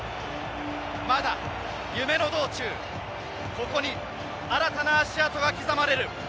まだ夢の道中、ここに新たな足跡が刻まれる。